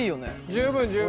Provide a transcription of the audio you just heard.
十分十分！